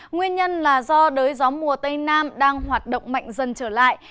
nguyên nhân là do đới gió mùa tây nam đang hoạt động mạnh dần trở lại